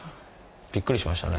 びっくりしましたね